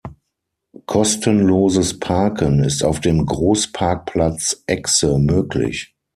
Kostenloses Parken ist auf dem Großparkplatz „Exe“ möglich.